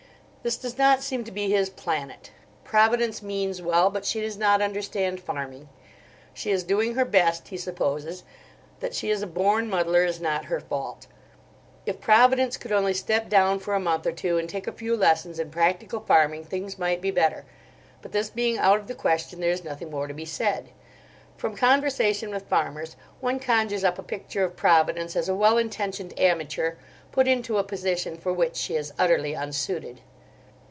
This does not seem to be his planet. Providence means well, but she does not understand farming. She is doing her best, he supposes; that she is a born muddler is not her fault. If Providence could only step down for a month or two and take a few lessons in practical farming, things might be better; but this being out of the question there is nothing more to be said. From conversation with farmers one conjures up a picture of Providence as a well intentioned amateur, put into a position for which she is utterly unsuited.